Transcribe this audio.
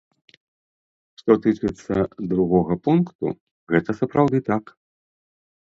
Што тычыцца другога пункту, гэта сапраўды так.